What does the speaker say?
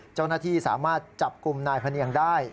เจ้าหน้าที่สามารถจับกลุ่มนายพะเนียงได้